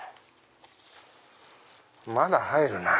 まだ入るなぁ。